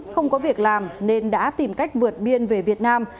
không có việc làm nên đã tìm cách vượt biên về việt nam